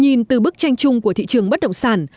nhìn từ bức tranh chung của thị trường bất động sản